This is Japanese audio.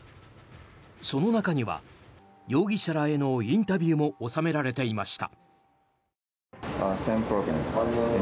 その中には容疑者らへのインタビューも収められていました。